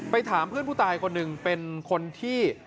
ถามเพื่อนผู้ตายคนหนึ่งเป็นคนที่